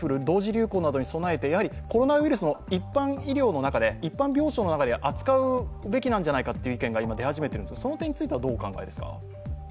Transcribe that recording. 流行に備えてコロナウイルスの一般病床の中で扱うべきじゃないかという意見が出始めていますがその点についてはどうお考えでうｓか。